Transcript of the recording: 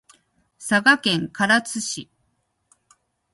佐賀県唐津市